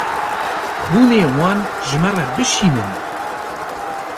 Hûn ê wan ji me re bişînin.